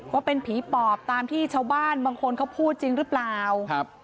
ว่าเป็นผีปอบตามที่ชาวบ้านบางคนเขาพูดจริงหรือเปล่าครับ